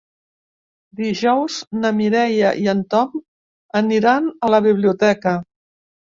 Dijous na Mireia i en Tom aniran a la biblioteca.